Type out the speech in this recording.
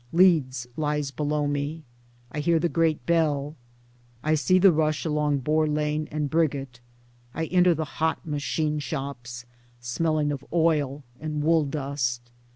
Leeds lies below me ; I hear the great bell ; I see the rush along Boar Lane and Briggate. I enter the hot machine shops, smelling of oil and wooldust.